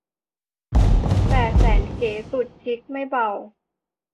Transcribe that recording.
แต่แสนเก๋สุดชิคไม่เบา